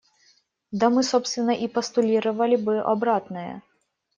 Да мы, собственно, и постулировали бы обратное.